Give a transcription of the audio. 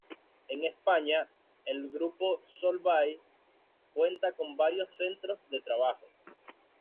En España, el grupo Solvay cuenta con varios centros de trabajo.